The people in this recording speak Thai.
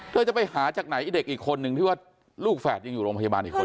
จะไปหาจากไหนไอ้เด็กอีกคนนึงที่ว่าลูกแฝดยังอยู่โรงพยาบาลอีกคน